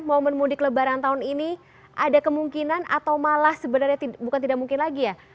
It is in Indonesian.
momen mudik lebaran tahun ini ada kemungkinan atau malah sebenarnya bukan tidak mungkin lagi ya